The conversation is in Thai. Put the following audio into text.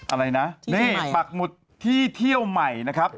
อะไรนะนี่ปักหมุดที่เที่ยวใหม่นะครับ